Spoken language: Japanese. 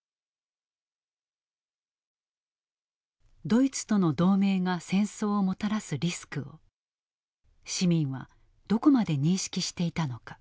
ドイツとの同盟が戦争をもたらすリスクを市民はどこまで認識していたのか。